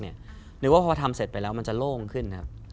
นึกว่าพอทำเสร็จไปแล้วมันจะโล่งขึ้น